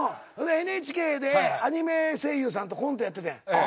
ＮＨＫでアニメ声優さんとコントやっててん。